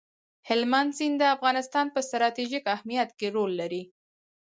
هلمند سیند د افغانستان په ستراتیژیک اهمیت کې رول لري.